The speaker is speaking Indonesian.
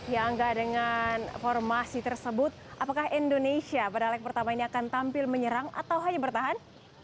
ya angga dengan formasi tersebut apakah indonesia pada leg pertama ini akan tampil menyerang atau hanya bertahan